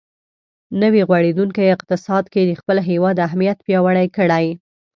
نوی غوړېدونکی اقتصاد کې د خپل هېواد اهمیت پیاوړی کړي.